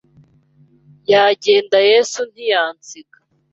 yagenda Yesu ntiyansiga